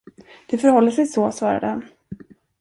Det förhåller sig så, svarade han.